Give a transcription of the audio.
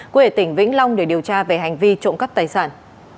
quê tỉnh vĩnh long để điều tra về hành vi trộm cắt tài sản